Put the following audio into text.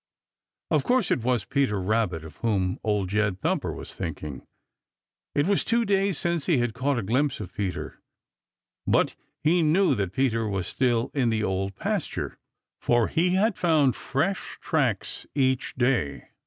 Of course it was Peter Rabbit of whom Old Jed Thumper was thinking. It was two days since he had caught a glimpse of Peter, but he knew that Peter was still in the Old Pasture, for he had found fresh tracks each day.